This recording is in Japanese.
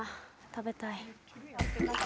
食べたい。